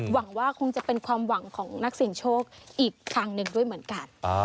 หวังว่าคงจะเป็นความหวังของนักเสียงโชคอีกครั้งหนึ่งด้วยเหมือนกัน